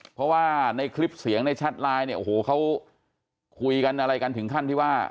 เพราะว่าในคลิปเสียงในแชทไลน์เนี่ยโอ้โหเขาคุยกันอะไรกันถึงขั้นที่ว่า